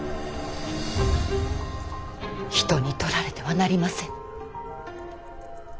人に取られてはなりません。